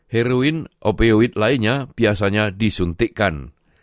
heroin opioid lainnya biasanya disuntikkan